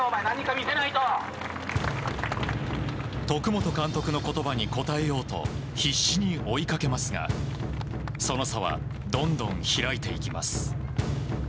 徳本監督の言葉に応えようと必死に追いかけますがその差はどんどん開いていきます。